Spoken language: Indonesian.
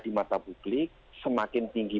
di mata publik semakin tinggi